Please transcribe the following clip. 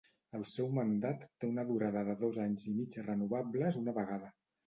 El seu mandat té una durada de dos anys i mig renovables una vegada.